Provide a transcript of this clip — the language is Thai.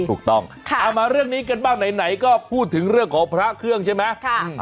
ถูกต้องเอามาเรื่องนี้กันบ้างไหนก็พูดถึงเรื่องของพระเครื่องใช่ไหม